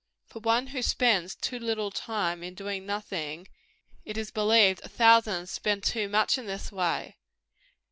For one who spends too little time in doing nothing, it is believed a thousand spend too much in this way.